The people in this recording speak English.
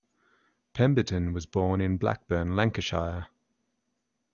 Pemberton was born in Blackburn, Lancashire.